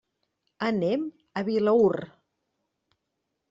Anem a Vilaür.